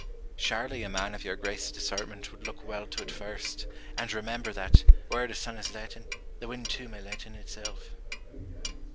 Surely a man of your grace's discernment would look well to it first, and remem ber, that, where the sun is let in, the wind too may let in itself.